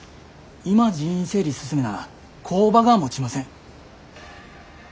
今人員整理進めな工場がもちません。